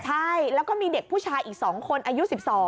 ใช่แล้วก็มีเด็กผู้ชายอีก๒คนอายุ๑๒